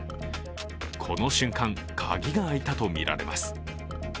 この瞬間、鍵が開いたとみられます